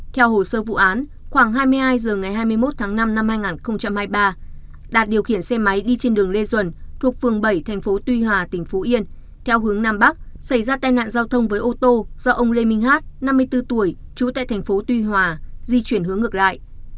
theo hồ sơ vụ án khoảng hai mươi hai h ngày hai mươi một tháng năm năm hai nghìn hai mươi ba đạt điều khiển xe máy đi trên đường lê duẩn thuộc phường bảy thành phố tuy hòa tỉnh phú yên theo hướng nam bắc xảy ra tai nạn giao thông với ô tô do ông lê minh hát năm mươi bốn tuổi trú tại thành phố tuy hòa di chuyển hướng ngược lại